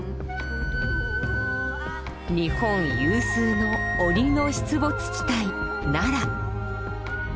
日本有数の鬼の出没地帯奈良。